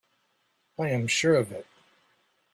I am sure of it.